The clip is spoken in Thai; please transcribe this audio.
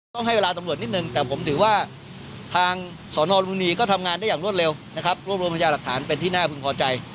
ก็เชื่อว่าพรุ่งนี้ก็จะนำพยายามหลักฐานทั้งหมด